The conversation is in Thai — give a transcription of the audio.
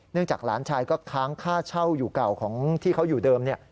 จากหลานชายก็ค้างค่าเช่าอยู่เก่าของที่เขาอยู่เดิม